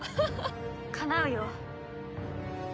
かなうよ。